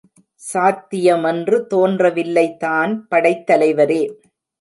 சாத்தியமென்று தோன்றவில்லைதான் படைத்தலைவரே.